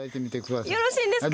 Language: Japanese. よろしいんですか。